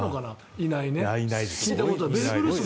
いないね。